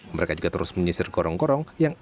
mereka juga terus menyisir gorong gorong yang